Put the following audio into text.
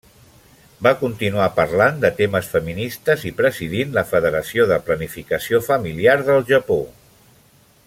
Va continuar parlant de temes feministes i presidint la Federació de Planificació Familiar del Japó.